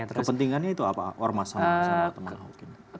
kepentingannya itu apa ormas sama teman teman